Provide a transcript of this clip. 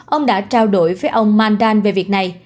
ông đã trao đổi với ông mandan về việc này